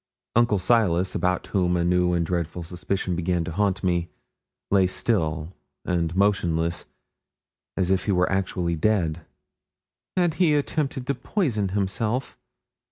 Uncle Silas, about whom a new and dreadful suspicion began to haunt me, lay still and motionless as if he were actually dead. 'Had he attempted to poison himself?'